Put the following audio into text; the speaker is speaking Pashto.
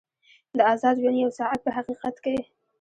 د ازاد ژوند یو ساعت په حقیقت کې.